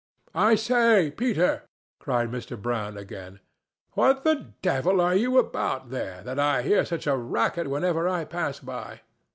"I say, Peter!" cried Mr. Brown, again; "what the devil are you about there, that I hear such a racket whenever I pass by?